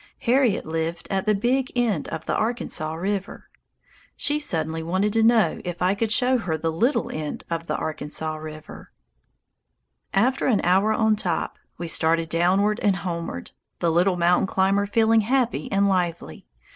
Harriet lived at the "big" end of the Arkansas River. She suddenly wanted to know if I could show her the "little end of the Arkansas River." [Illustration: ON THE TIP TOP OF LONG'S PEAK] After an hour on top we started downward and homeward, the little mountain climber feeling happy and lively.